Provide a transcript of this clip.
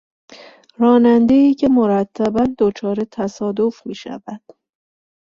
رانندهای که مرتبا دچار تصادف میشود